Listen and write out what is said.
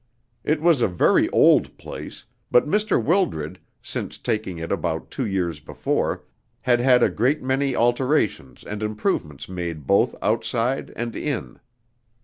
It was a very old place, but Mr. Wildred, since taking it about two years before, had had a great many alterations and improvements made both outside and in.